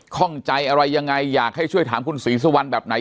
ข้องใจอะไรยังไงอยากให้ช่วยถามคุณศรีสุวรรณแบบไหน